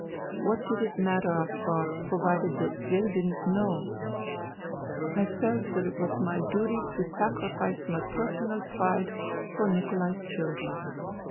What did it matter after all, provided that they didn't know ? I felt that it was my duty to sacrifice my personal pride for Nikolai's children.